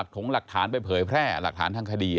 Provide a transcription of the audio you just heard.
ถงหลักฐานไปเผยแพร่หลักฐานทางคดี